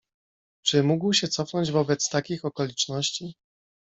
Czy mógł się cofnąć wobec takich okoliczności?